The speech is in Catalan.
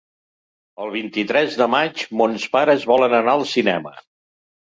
El vint-i-tres de maig mons pares volen anar al cinema.